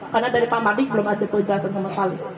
karena dari pak mardik belum ada penjelasan sama sekali